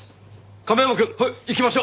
亀山くん行きましょう。